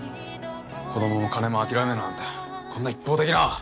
子供も金も諦めろなんてこんな一方的な。